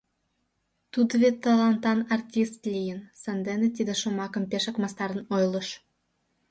Тудо вет талантан артист лийын, сандене тиде шомакым пешак мастарын ойлыш.